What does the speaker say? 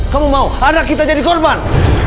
kamu mau anak kita jadi korban